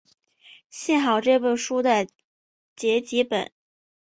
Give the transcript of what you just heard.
幸好这部书的结集本。